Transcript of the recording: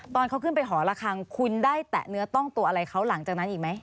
ตอนเขาขึ้นไปหอระคังคุณได้แตะเนื้อต้องตัวอะไรเขาหลังจากนั้นอีกไหม